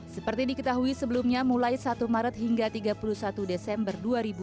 seperti diketahui sebelumnya mulai satu maret hingga tiga puluh satu desember dua ribu dua puluh